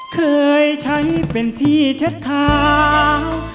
เคยใช้เป็นที่เช็ดทาง